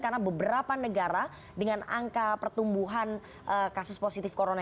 karena beberapa negara dengan angka pertumbuhan kasus positif corona